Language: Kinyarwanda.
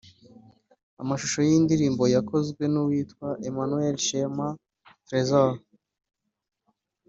Amashusho y’iyi ndirimbo yakozwe n’uwitwa Emmanuel Sherma Tresor